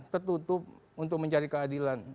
tertutup untuk mencari keadilan